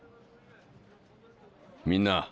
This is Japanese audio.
みんな。